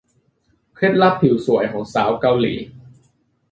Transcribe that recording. เคล็ดลับผิวสวยของสาวเกาหลี